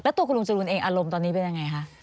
ตัวคุณลุงจรูนเองอารมณ์ตอนนี้เป็นยังไงคะ